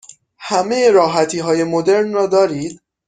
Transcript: همه راحتی های مدرن را دارید؟